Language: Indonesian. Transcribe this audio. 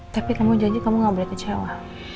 tapi kamu janji kamu gak boleh kecewa